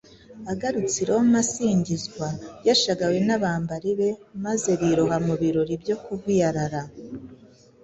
Agarutse i Roma asingizwa, yashagawe n’abambari be maze biroha mu birori byo kuvuyarara.